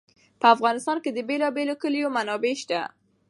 په افغانستان کې د بېلابېلو کلیو منابع شته.